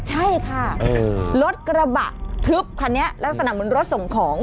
ใช่ค่ะรถกระบะทึบคันนี้ลักษณะเหมือนรถส่งของ